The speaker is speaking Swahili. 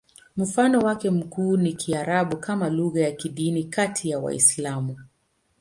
Mfano wake mkuu ni Kiarabu kama lugha ya kidini kati ya Waislamu.